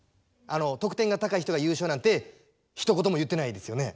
得点が高い人が優勝なんてひと言も言ってないですよね。